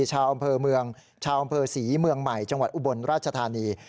ชาวอำเภอเมืองชาวอำเภอศรีเมืองใหม่จังหวัดอุบลราชธานี